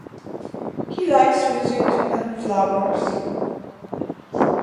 He likes music and flowers.